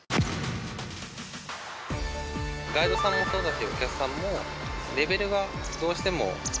ガイドさんもそうだしお客さんもレベルがどうしても。